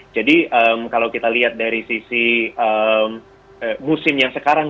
jadi kalau kita lihat dari sisi musimnya sekarang